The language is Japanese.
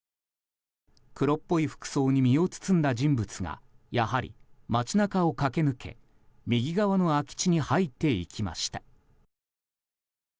黒っぽい服装に身を包んだ人物がやはり街中を駆け抜け右側の空き地に入っていきました。